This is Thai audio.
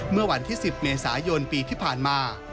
เมื่อวันที่๑๐เมษายนปีที่ผ่านมา